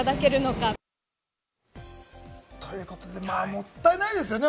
もったいないですよね。